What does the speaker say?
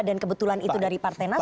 dan kebetulan itu dari partenas